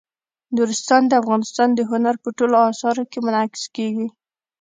نورستان د افغانستان د هنر په ټولو اثارو کې منعکس کېږي.